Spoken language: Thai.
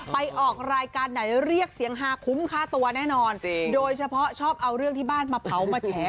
ไปออกรายการไหนเรียกเสียงฮาคุ้มค่าตัวแน่นอนโดยเฉพาะชอบเอาเรื่องที่บ้านมาเผามาแฉ